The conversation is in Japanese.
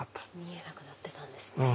見えなくなってたんですね。